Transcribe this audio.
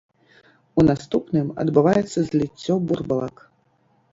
У наступным адбываецца зліццё бурбалак.